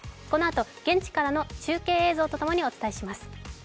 このあと、現地からの中継映像とともにお伝えします。